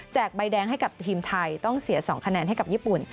ใบแดงให้กับทีมไทยต้องเสีย๒คะแนนให้กับญี่ปุ่น